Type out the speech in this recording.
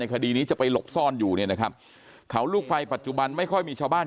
คดีนี้จะไปหลบซ่อนอยู่เนี่ยนะครับเขาลูกไฟปัจจุบันไม่ค่อยมีชาวบ้าน